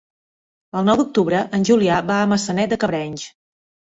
El nou d'octubre en Julià va a Maçanet de Cabrenys.